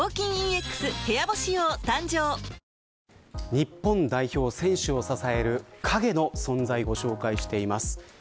日本代表選手を支える影の存在、ご紹介しています。